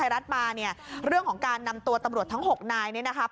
วันนั้นเราเห็นเจ้าหน้าที่ตำรวจเขาไปสั่งการ